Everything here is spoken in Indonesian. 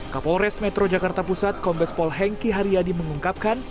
kapolres metro jakarta pusat kombespol henki hariadi mengungkapkan